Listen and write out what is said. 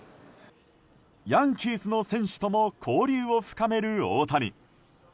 ヤンキースの選手とも交流を深める大谷。